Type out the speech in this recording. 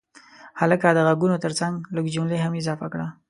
هلکه د غږونو ترڅنګ لږ جملې هم اضافه کړه.